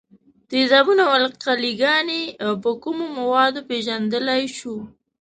تیزابونه او القلي ګانې په کومو موادو پیژندلای شو؟